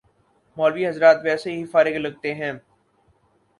مولوی حضرات ویسے ہی فارغ لگتے ہیں۔